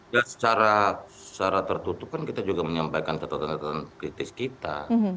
ya secara tertutup kan kita juga menyampaikan catatan catatan kritis kita